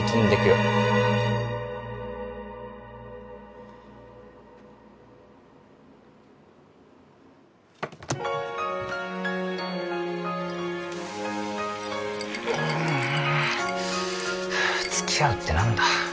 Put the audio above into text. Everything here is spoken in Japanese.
うん付き合うって何だ？